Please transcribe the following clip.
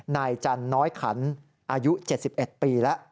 นายจันทร์น้อยขันศ์อายุ๗๑ปี